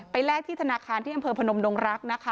แลกที่ธนาคารที่อำเภอพนมดงรักนะคะ